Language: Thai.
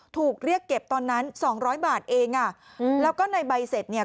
ถูกเรียกเก็บตอนนั้นสองร้อยบาทเองอ่ะอืมแล้วก็ในใบเสร็จเนี่ย